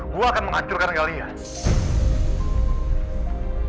gue akan menghancurkan kalian